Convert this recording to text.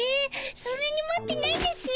そんなに持ってないですよ。